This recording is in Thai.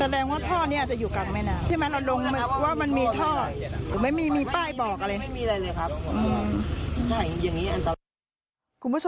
ได้ภาพ